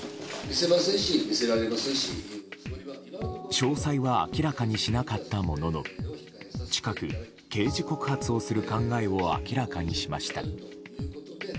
詳細は明らかにしなかったものの近く、刑事告発をする考えを明らかにしました。